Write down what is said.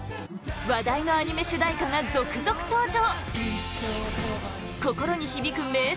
話題のアニメ主題歌が続々登場！